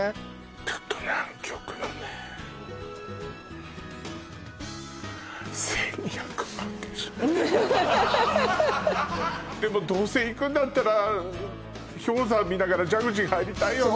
ちょっと南極のねでもどうせ行くんだったら氷山見ながらジャグジー入りたいよね